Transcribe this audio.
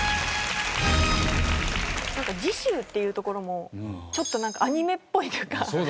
次週っていうところもちょっとなんかアニメっぽいというか。